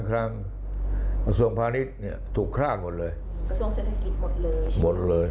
เศรษฐกิจไทยจะมีปัญหาไหมครับ